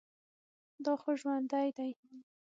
دا خو ژوندى دى.